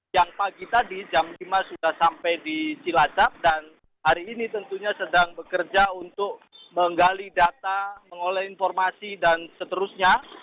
yang pagi tadi jam lima sudah sampai di cilacap dan hari ini tentunya sedang bekerja untuk menggali data mengolah informasi dan seterusnya